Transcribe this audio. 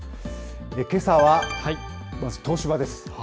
けさは、まず東芝です。